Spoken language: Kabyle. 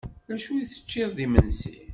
D acu teččiḍ d imensi?